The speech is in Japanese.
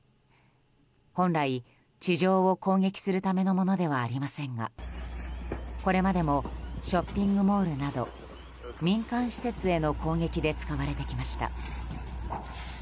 本来、地上を攻撃するためのものではありませんがこれまでもショッピングモールなど民間施設への攻撃で使われてきました。